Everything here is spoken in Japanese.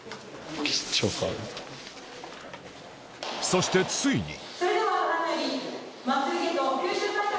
そしてついに！